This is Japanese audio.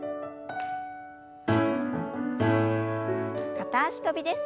片脚跳びです。